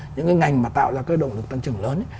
những cái ngành mà tạo ra cơ động được tăng trưởng lớn